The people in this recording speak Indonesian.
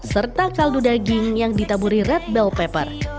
serta kaldu daging yang ditaburi red bell pepper